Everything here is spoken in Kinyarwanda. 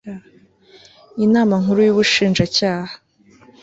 inama nkuru y'ubushinjacyaha